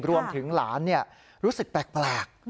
รวมถึงหลานรู้สึกแปลก